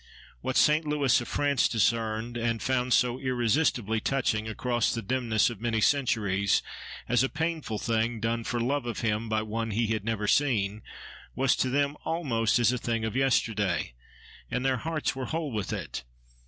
What Saint Lewis of France discerned, and found so irresistibly touching, across the dimness of many centuries, as a painful thing done for love of him by one he had never seen, was to them almost as a thing of yesterday; and their hearts were whole with it.